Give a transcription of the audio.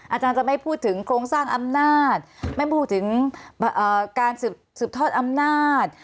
อาจารย์จะไม่พูดถึงโครงสร้างอำนาจไม่พูดถึงการสืบทอดอำนาจ